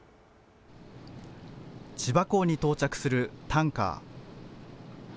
千葉港に到着するタンカー。